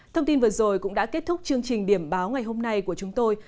thông tin vừa rồi cũng đã kết thúc chương trình điểm báo ngày hôm nay của chúng tôi